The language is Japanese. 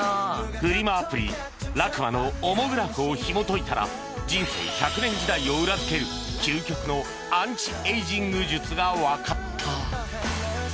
フリマアプリラクマのオモグラフをひもといたら人生１００年時代を裏付ける究極のアンチエイジング術がわかった